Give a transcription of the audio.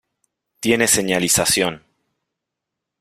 Tiene señalización.